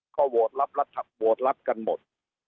ก็โหวตรับกันหมด